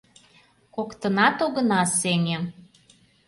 Коктынат огына сеҥе.